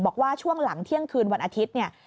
บอกว่าช่วงหลังเที่ยงคืนวันอาทิตย์เนี่ย